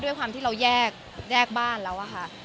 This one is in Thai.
ด้วยความที่เราแยกบ้านแล้วอะค่ะ